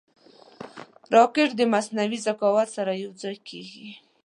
راکټ د مصنوعي ذکاوت سره یوځای کېږي